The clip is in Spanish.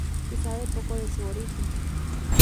Se sabe poco de su origen.